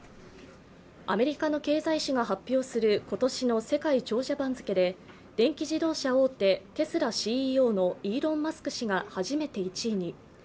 アメリカの経済誌が発表する今年の世界長者番付で電気自動車大手テスラＣＥＯのイーロン・マスク氏が初めて１位に。